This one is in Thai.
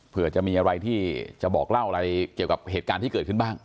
เผื่อจะมีอะไรที่จะบอกเล่าอะไรเกี่ยวกับเหตุการณ์ที่เกิดขึ้นบ้าง